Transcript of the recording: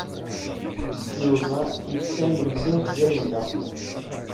Yuba yettamen mliḥ Ǧahida.